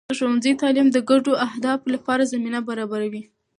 د ښوونځي تعلیم د ګډو اهدافو لپاره زمینه برابروي.